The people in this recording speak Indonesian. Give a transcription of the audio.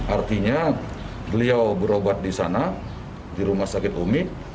artinya beliau berobat di sana di rumah sakit umi